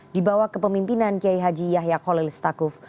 dibawah kepemimpinan kiai haji yahya kholilistakuf